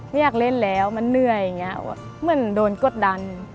อยากเล่นแล้วมันเหนื่อยอย่างนี้เหมือนโดนกดดัน